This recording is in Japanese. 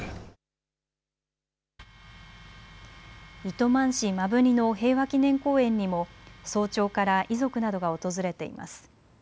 糸満市摩文仁の平和祈念公園にも早朝から遺族などが訪れています。